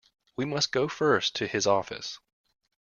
We must go first to his office.